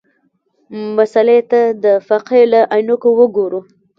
مسألې ته د فقهې له عینکو وګورو.